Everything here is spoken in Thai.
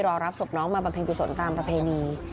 รอรับศพน้องมาประเภนกุศลตามประเภนี